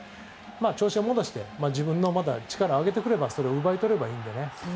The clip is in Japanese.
調子を戻して自分の力を上げてくればそれを奪い取ればいいんでね。